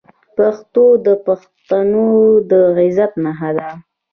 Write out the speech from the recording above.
پښتو د پښتون د عزت نښه ده.